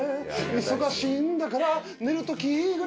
「忙しいんだから寝る時ぐらい」